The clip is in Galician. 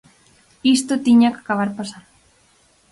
"Isto tiña que acabar pasando".